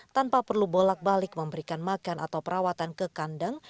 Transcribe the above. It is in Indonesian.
tanpa perlu bolak balik memberikan makan atau perawatan ke kandang